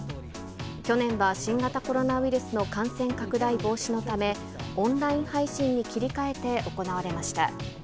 去年は新型コロナウイルスの感染拡大防止のため、オンライン配信に切り替えて行われました。